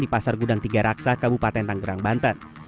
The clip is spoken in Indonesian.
di pasar gudang tiga raksa kabupaten tanggerang banten